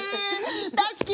大好き！